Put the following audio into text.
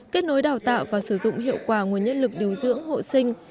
kết nối đào tạo và sử dụng hiệu quả nguồn nhân lực điều dưỡng hộ sinh